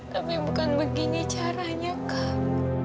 tapi bukan begini caranya kan